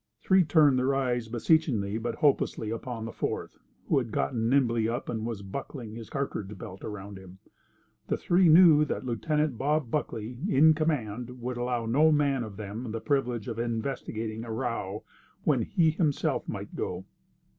Three turned their eyes beseechingly but hopelessly upon the fourth, who had gotten nimbly up and was buckling his cartridge belt around him. The three knew that Lieutenant Bob Buckley, in command, would allow no man of them the privilege of investigating a row when he himself might go.